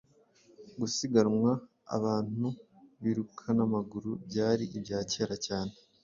gusiganwa abantu biruka n’amaguru byari ibya kera cyane